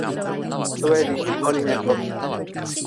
soweli li olin e poki.